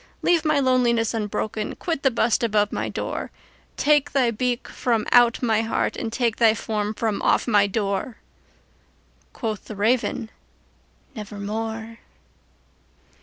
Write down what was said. Leave my loneliness unbroken! quit the bust above my door! Take thy beak from out my heart, and take thy form from off my door!"Quoth the Raven, "Nevermore."